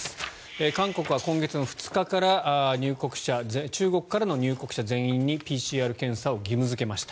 韓国は今月２日から中国からの入国者全員にＰＣＲ検査を義務付けました。